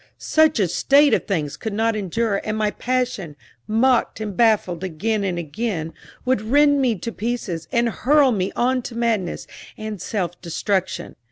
Such a state of things could not endure, and my passion, mocked and baffled again and again, would rend me to pieces, and hurl me on to madness and self destruction.